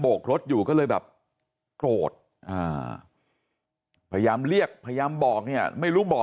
กรถอยู่ก็เลยแบบโกรธพยายามเรียกพยายามบอกเนี่ยไม่รู้บอก